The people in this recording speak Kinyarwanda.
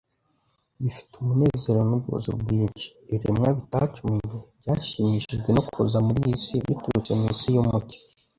Bifite umunezero n'ubwuzu bwinshi, ibiremwa bitacumuye byashimishijwe no kuza muri iyi si biturutse mu isi y'umucyo